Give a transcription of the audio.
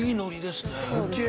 すっげえ。